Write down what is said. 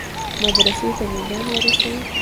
مدرسې ته مې ځان ورساوه.